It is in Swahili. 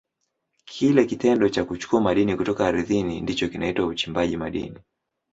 Kile kitendo cha kuchukua madini kutoka ardhini ndicho kinachoitwa uchimbaji madini.